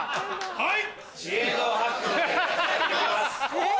はい！